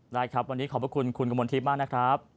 ได้ครับวันนี้ขอบพระคุณคุณกมลทิพย์มากนะครับ